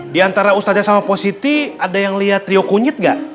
di antara ustazah sama positi ada yang liat trio kunyit gak